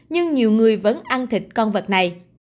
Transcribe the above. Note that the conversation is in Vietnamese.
nhưng nhiều người vẫn ăn thịt con vật này